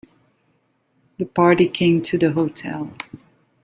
The party came to the hotel.